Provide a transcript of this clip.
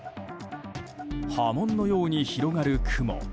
波紋のように広がる雲